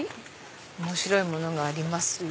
面白いものがありますよ。